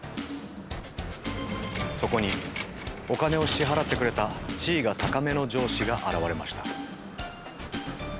そこにお金を支払ってくれた地位が高めの上司が現れました。